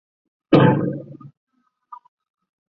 可用于入药。